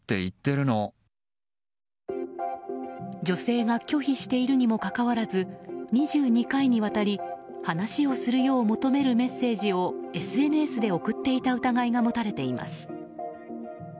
女性が拒否しているにもかかわらず２２回にわたり話をするよう求めるメッセージをＳＮＳで送っていた疑いが持たれています。